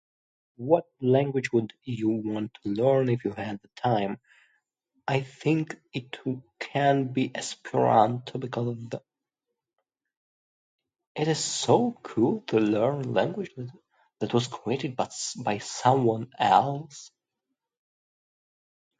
What language would you want to learn if you had the time? I think it w- can be Esperanto because of the... it is so cool to learn language that that was created but by someone else.